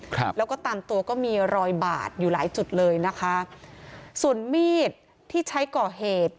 ครับแล้วก็ตามตัวก็มีรอยบาดอยู่หลายจุดเลยนะคะส่วนมีดที่ใช้ก่อเหตุ